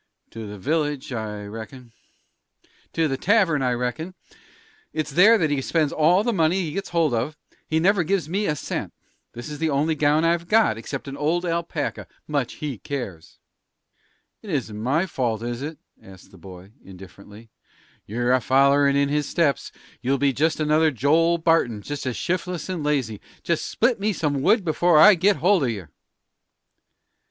"To the village, I reckon." "To the tavern, I reckon. It's there that he spends all the money he gets hold of; he never gives me a cent. This is the only gown I've got, except an old alpaca. Much he cares!" "It isn't my fault, is it?" asked the boy, indifferently. "You're a follerin' in his steps. You'll be just another Joel Barton just as shif'less and lazy. Just split me some wood before I get hold of yer!"